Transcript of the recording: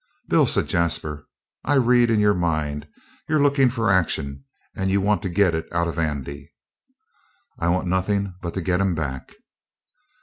"Bill," said Jasper, "I read in your mind. You're lookin' for action, and you want to get it out of Andy." "I want nothin' but to get him back."